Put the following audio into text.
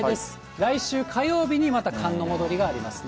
来週火曜日にまた寒の戻りがありますね。